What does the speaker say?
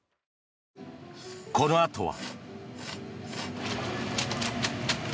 このあとは。